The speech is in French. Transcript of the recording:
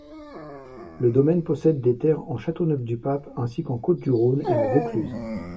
Le Domaine possède des terres en châteauneuf-du-pape ainsi qu'en côtes-du-rhône et en vaucluse.